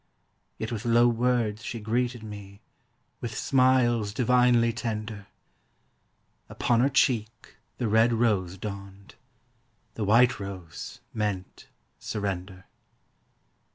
Yet with low words she greeted me, With smiles divinely tender; Upon her cheek the red rose dawned, The white rose meant surrender.